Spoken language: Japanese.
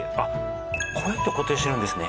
こうやって固定してるんですね。